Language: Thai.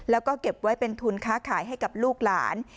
แล้วก็เก็บไว้เป็นทุนค้าขายให้กับลูกหลาน